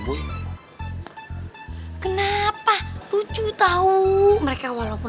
sampai jumpa lagi